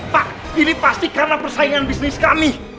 pak ini pasti karena persaingan bisnis kami